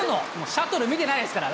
シャトル見てないですから。